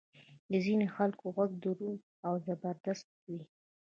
د ځینې خلکو ږغ دروند او زبردست وي.